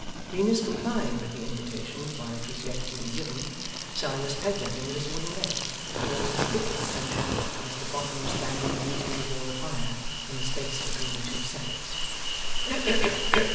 Venus complying with the invitation while it was yet being given, Silas pegged at him with his wooden leg, to call his particular attention to Mr Boffin standing musing before the fire, in the space between the two settles.